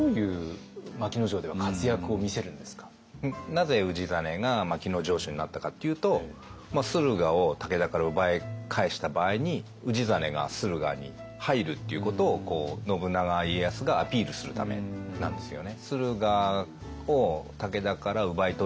なぜ氏真が牧野城主になったかっていうと駿河を武田から奪い返した場合に氏真が駿河に入るっていうことを信長家康がアピールするためなんですよね。